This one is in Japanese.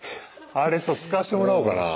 あれさ使わしてもらおうかなあ。